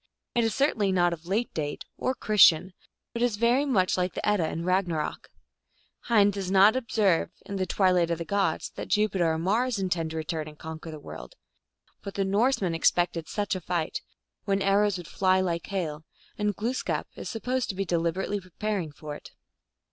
It is certainly not of a late date, or Christian, but it is very much like the Edda and Eagnarok. Heine does not observe, in the Twilight of the Gods, that Jupiter or Mars intend to return and conquer the world. But the Norsemen expected such a fight, when arrows would fly like hail, and Glooskap is supposed to be deliberaijly preparing for it.